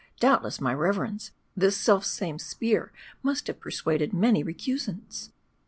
" Doubtless, my reverends, this self same spear must have persuaded many recusants